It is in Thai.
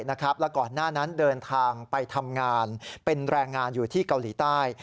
แล้วก่อนหน้านั้นเดินทางไปทำงานเป็นแรงงานอยู่ที่เกาหลีใต้